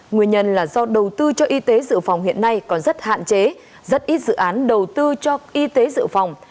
nguyên nhân là do đầu tư cho y tế dự phòng hiện nay còn rất hạn chế rất ít dự án đầu tư cho y tế dự phòng